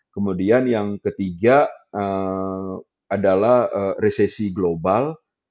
kemudian yang ketiga adalah resesi global